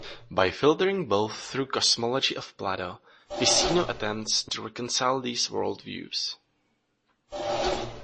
By filtering both through cosmology of Plato, Ficino attempts to reconcile these world-views.